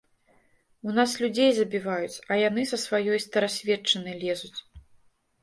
У нас людзей забіваюць, а яны са сваёй старасветчынай лезуць.